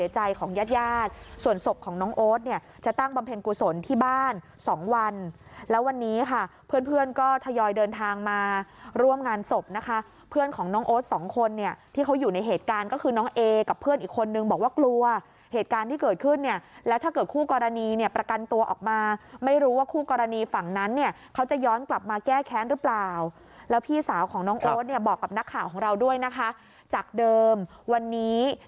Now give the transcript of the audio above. ใจของญาติญาติส่วนศพของน้องโอ๊ตเนี่ยจะตั้งบำเพ็ญกุศลที่บ้านสองวันแล้ววันนี้ค่ะเพื่อนเพื่อนก็ทยอยเดินทางมาร่วมงานศพนะคะเพื่อนของน้องโอ๊ตสองคนเนี่ยที่เขาอยู่ในเหตุการณ์ก็คือน้องเอกับเพื่อนอีกคนนึงบอกว่ากลัวเหตุการณ์ที่เกิดขึ้นเนี่ยแล้วถ้าเกิดคู่กรณีเนี่ยประกันตัวออกมาไม่รู้ว่าคู่กรณี